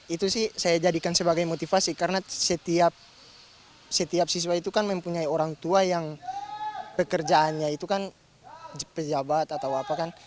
itu sih saya jadikan sebagai motivasi karena setiap siswa itu kan mempunyai orang tua yang pekerjaannya itu kan pejabat atau apa kan